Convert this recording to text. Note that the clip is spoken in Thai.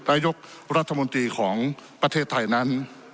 นายกรัฐมนตรีของประเทศไทยนั้น